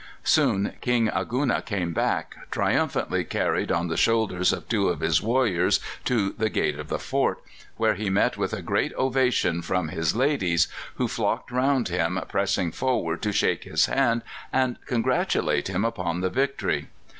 Soon King Aguna came back, triumphantly carried on the shoulders of two of his warriors to the gate of the fort, where he met with a great ovation from his 'ladies,' who flocked round him, pressing forward to shake his hand and congratulate him upon the victory."